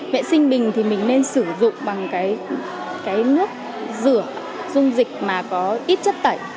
vệ sinh bình thì mình nên sử dụng bằng cái nước rửa dung dịch mà có ít chất tẩy